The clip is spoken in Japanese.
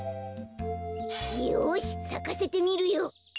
よしさかせてみるよ。